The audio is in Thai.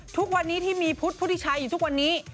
ทุกวันนี้ที่มีพุทธพุทธิชัยอยู่ทุกวันนี้